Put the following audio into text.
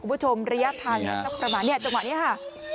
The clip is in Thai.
คุณผู้ชมระยะทันสักมาน่ะจังหวะเนี่ยค่ะ